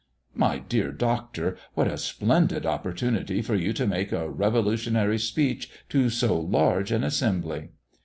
"My dear Doctor, what a splendid opportunity for you to make a revolutionary speech to so large an assembly."